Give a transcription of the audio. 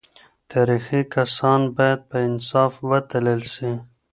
تاريخي کسان بايد په انصاف وتلل سي.